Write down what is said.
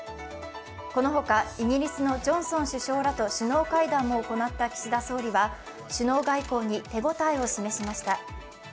このほか、イギリスのジョンソン首相らと首脳会談を行った岸田総理は首脳外交に手応えを示しました。